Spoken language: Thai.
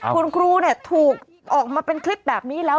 คุณครูถูกออกมาเป็นคลิปแบบนี้แล้ว